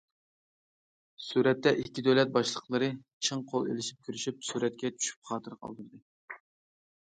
سۈرەتتە: ئىككى دۆلەت باشلىقلىرى چىڭ قول ئېلىشىپ كۆرۈشۈپ، سۈرەتكە چۈشۈپ خاتىرە قالدۇردى.